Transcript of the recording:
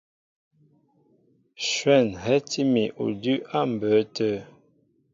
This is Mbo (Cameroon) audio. Shwɛ̂n hɛ́tí mi udʉ́ á mbə̌ tə.